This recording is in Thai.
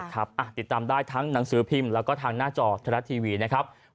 ติดตามได้ทั้งหนังสือพิมพ์และทางหน้าจอทะลัดทีวี